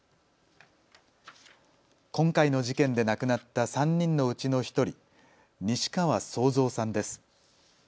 今回の事件で亡くなった３人のうちの１人、西川惣藏さんです。